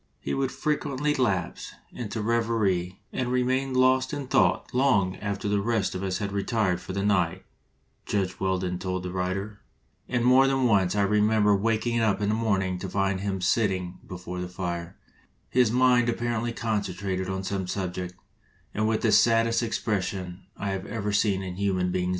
"He would frequently lapse into reverie and remain lost in thought long after the rest of us had retired for the night," Judge Weldon told the writer; "and more than once I remember waking up early in the morning to find him sit 190 JUDGE DAVIS AND LINCOLN ting before the fire, his mind apparently concen trated on some subject, and with the saddest ex pression I have ever seen in a human being's eyes."